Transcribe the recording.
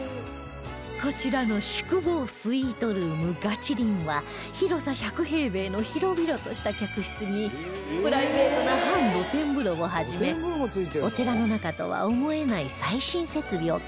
こちらの宿坊スイートルーム月輪は広さ１００平米の広々とした客室にプライベートな半露天風呂を始めお寺の中とは思えない最新設備を完備